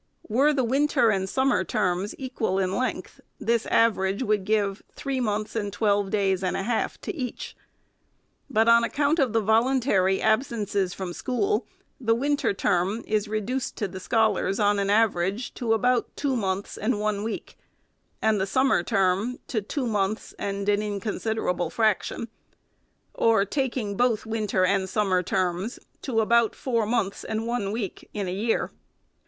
Were the winter and summer terms equal in length, this average would give three months and twelve days and a half to each. But, on account of the voluntary absences from school, the winter term is reduced to the scholars, on an average, to about two months and one week, and the summer term to two months and an inconsiderable frac tion ; or, taking both winter and summer terms, to about four months and one week in the year.